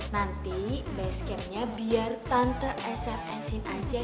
nanti basecampnya biar tante sms in aja